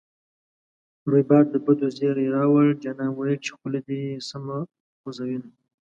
ریبار د بدو زېری راووړـــ جانان ویل چې خوله دې سمه خوزوینه